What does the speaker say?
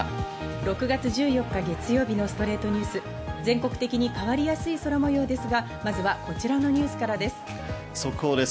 ６月１４日、月曜日の『ストレイトニュース』、全国的に変わりやすい空模様ですが、まずはこちらのニュースから速報です。